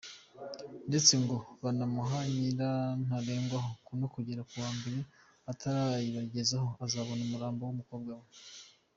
Ndetse ngo banamuha nyirantarengwa ko nagera kuwa mbere atarayabagezaho azabona umurambo w’umukobwa we.